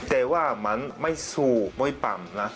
แต่ว่ามันไม่สู้ม้อยปรำน่ะ